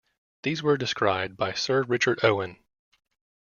These were described by Sir Richard Owen.